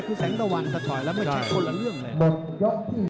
คือแสงตะวันสะชอยแล้วไม่ใช่คนละเรื่องเลย